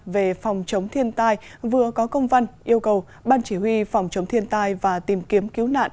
về phòng chống thiên tai vừa có công văn yêu cầu ban chỉ huy phòng chống thiên tai và tìm kiếm cứu nạn